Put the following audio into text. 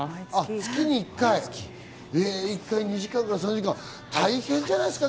月に１回、２時間から３時間、大変じゃないですか？